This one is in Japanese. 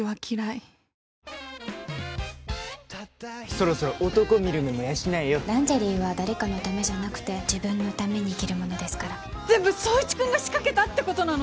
そろそろ男見る目も養えよランジェリーは誰かのためじゃなくて自分のために着るものですから全部宗一くんが仕掛けたってことなの？